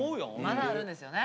まだあるんですよね。